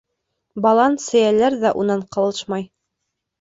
Балан, Сейәләр ҙә унан ҡалышмай.